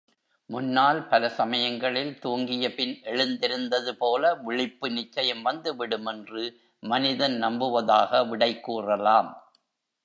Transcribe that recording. முன்னால் பல சமயங்களில் தூங்கியபின் எழுந்திருந்தது போல விழிப்பு நிச்சயம் வந்துவிடும் என்று மனிதன் நம்புவதாக விடை கூறலாம்.